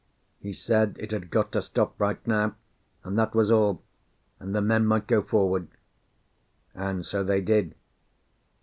He said it had got to stop right now, and that was all, and the men might go forward. And so they did.